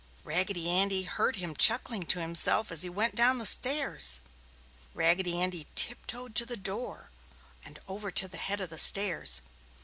Raggedy Andy heard him chuckling to himself as he went down the stairs. Raggedy Andy tiptoed to the door and over to the head of the stairs.